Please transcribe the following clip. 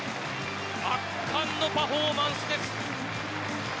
圧巻のパフォーマンスです。